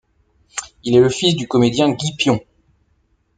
Il est le fils du comédien Guy Pion.